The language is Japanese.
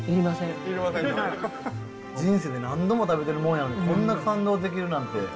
人生で何度も食べてるもんやのにこんな感動できるなんて。